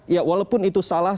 ya walaupun itu salah